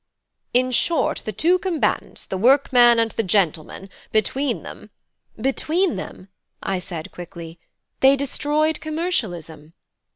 In short, the two combatants, the workman and the gentleman, between them " "Between them," said I, quickly, "they destroyed commercialism!"